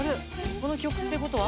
この曲ってことは。